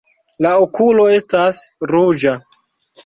La okulo estas ruĝa.